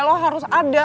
lo harus ada